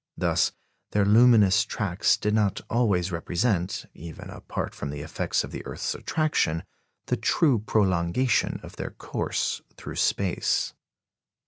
Thus, their luminous tracks did not always represent (even apart from the effects of the earth's attraction) the true prolongation of their course through space.